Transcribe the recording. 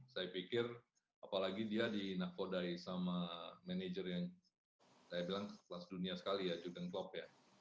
saya pikir apalagi dia dinakodai sama manajer yang saya bilang kelas dunia sekali ya juken klop ya